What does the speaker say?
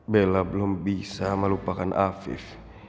bella belum bisa melupakan afif